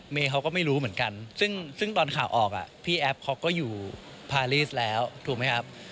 เขาก็ไม่รู้เหมือนกันซึ่งตอนข่าวออกพี่แอฟเขาก็อยู่พารีสแล้วถูกไหมครับ